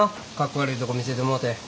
悪いとこ見せてもうて。